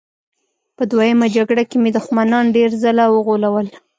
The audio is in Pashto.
په دویمه جګړه کې مې دښمنان ډېر ځله وغولول